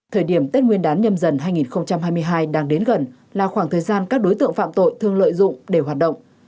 thời điểm tết nguyên đán nhâm dần hai nghìn hai mươi hai đang đến gần là khoảng thời gian các đối tượng phạm tội thường lợi dụng để hoạt động